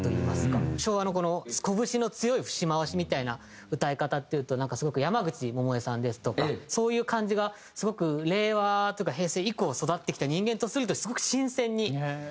昭和のこぶしの強い節回しみたいな歌い方っていうとなんかすごく山口百恵さんですとかそういう感じがすごく令和というか平成以降育ってきた人間とするとすごく新鮮に聞こえまして。